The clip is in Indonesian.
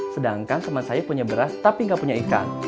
sedangkan teman saya punya beras tapi nggak punya ikan